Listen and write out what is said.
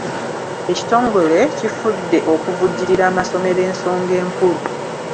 Ekitongole kifudde okuvujjirira amasomero ensonga enkulu.